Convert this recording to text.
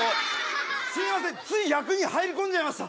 すいませんつい役に入り込んじゃいました。